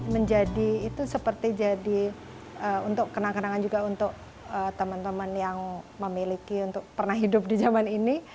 menjadi itu seperti jadi untuk kenang kenangan juga untuk teman teman yang memiliki untuk pernah hidup di zaman ini